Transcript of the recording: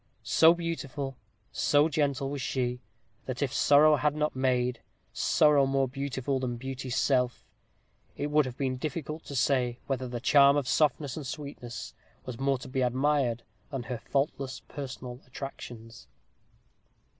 So beautiful, so gentle was she, that if, Sorrow had not made Sorrow more beautiful than Beauty's self, it would have been difficult to say whether the charm of softness and sweetness was more to be admired than her faultless personal attractions.